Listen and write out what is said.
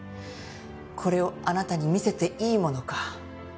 これをあなたに見せていいものか。